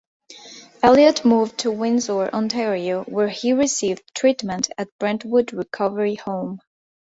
Elliot moved to Windsor, Ontario, where he received treatment at Brentwood Recovery Home.